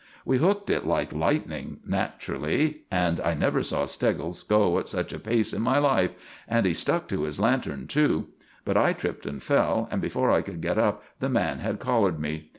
We hooked it like lightning, naturally, and I never saw Steggles go at such a pace in my life, and he stuck to his lantern, too; but I tripped and fell, and before I could get up the man had collared me.